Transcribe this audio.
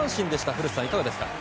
古田さん、いかがでしたか？